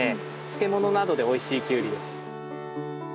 漬物などでおいしいキュウリです。